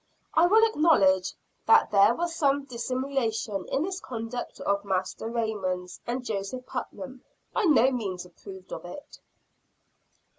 I will acknowledge that there was some dissimulation in this conduct of Master Raymond's, and Joseph Putnam by no means approved of it.